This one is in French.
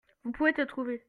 Vous pouvez te trouver.